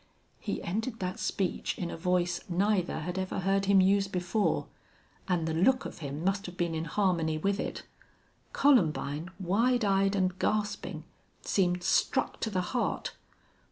He ended that speech in a voice neither had ever heard him use before. And the look of him must have been in harmony with it. Columbine, wide eyed and gasping, seemed struck to the heart.